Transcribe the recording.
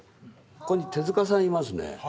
ここに手さんいますね。